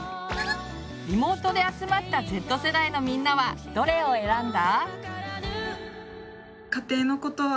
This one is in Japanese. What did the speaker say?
リモートで集まったＺ世代のみんなはどれを選んだ？